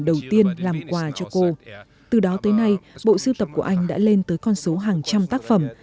đầu tiên làm quà cho cô từ đó tới nay bộ sưu tập của anh đã lên tới con số hàng trăm tác phẩm